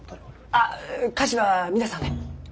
あっ菓子は皆さんで。